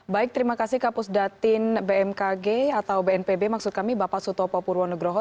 baik terima kasih kapus datin bmkg atau bnpb maksud kami bapak sutopo purwonegroho